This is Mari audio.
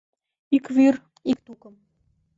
Ик вӱр, ик тукым.